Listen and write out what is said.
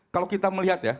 kalau kita melihat ya